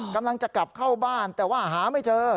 กำลังจะกลับเข้าบ้านแต่ว่าหาไม่เจอ